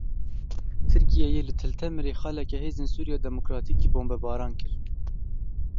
Tirkiyeyê li Til Temirê xaleke Hêzên Sûriya Demokratîkê bombebaran kir.